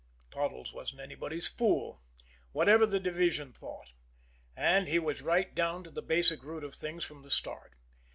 Toddles wasn't anybody's fool, whatever the division thought, and he was right down to the basic root of things from the start.